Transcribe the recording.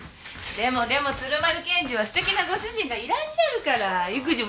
でもでも鶴丸検事は素敵なご主人がいらっしゃるから育児も二人三脚でしょう？